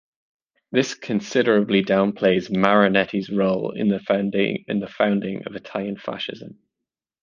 This considerably downplays Marinetti's role in the founding of Italian Fascism.